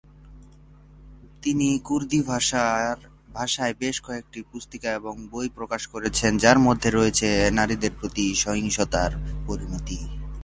তিনি কুর্দিভাষায় বেশ কয়েকটি পুস্তিকা এবং বই প্রকাশ করেছেন যার মধ্যে রয়েছে নারীদের প্রতি সহিংসতার পরিণতি।